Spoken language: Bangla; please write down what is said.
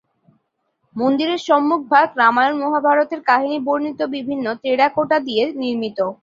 মন্দিরের সম্মুখভাগ রামায়ণ-মহাভারতের কাহিনী বর্ণিত বিভিন্ন টেরাকোটা দিয়ে নির্মিত।